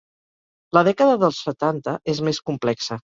La dècada dels setanta és més complexa.